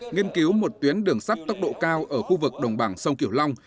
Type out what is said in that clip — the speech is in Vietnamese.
nghiên cứu một tuyến đường sắt tốc độ cao ở khu vực đồng bằng sông kiểu long